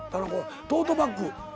トートバッグ。